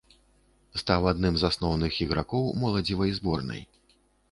Стаў адным з асноўных ігракоў моладзевай зборнай.